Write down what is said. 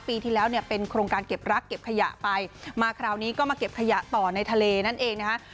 ปีที่แล้วเนี่ยเป็นโครงการเก็บรักเก็บขยะไปมาคราวนี้ก็มาเก็บขยะต่อในทะเลนั่นเองนะคะ